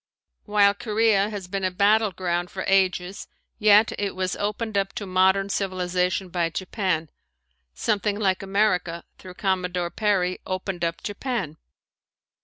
While Korea has been a battleground for ages yet it was opened up to modern civilization by Japan something like America, through Commodore Perry, opened up Japan.